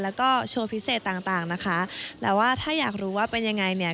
แล้วก็โชว์พิเศษต่างนะคะแล้วว่าถ้าอยากรู้ว่าเป็นยังไง